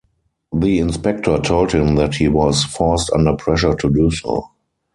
The inspector told him that "he was forced under pressure to do so".